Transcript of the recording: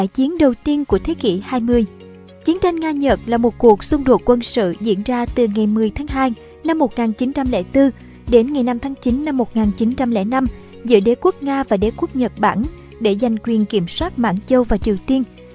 chiến tranh nga nhật là một cuộc xung đột quân sự diễn ra từ ngày một mươi tháng hai năm một nghìn chín trăm linh bốn đến ngày năm tháng chín năm một nghìn chín trăm linh năm giữa đế quốc nga và đế quốc nhật bản để giành quyền kiểm soát mãn châu và triều tiên